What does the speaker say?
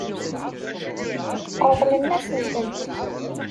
Ṛeḍlet-asent-tent.